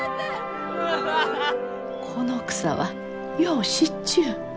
この草はよう知っちゅう。